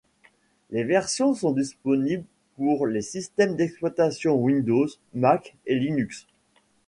Les versions sont disponibles pour les systèmes d'exploitation Windows, Mac et Linux.